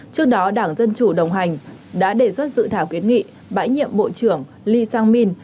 trước đó đảng dân chủ đồng hành đã đề xuất dự thảo kiến nghị bãi nhiệm bộ trưởng lee sang min